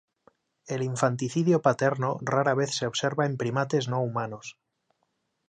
El infanticidio paterno rara vez se observa en primates no humanos.